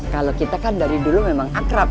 kalau kita kan dari dulu memang akrab